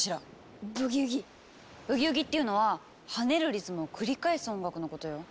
「ブギウギ」っていうのは跳ねるリズムを繰り返す音楽のことよ。